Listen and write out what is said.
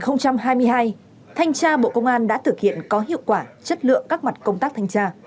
năm hai nghìn hai mươi hai thanh tra bộ công an đã thực hiện có hiệu quả chất lượng các mặt công tác thanh tra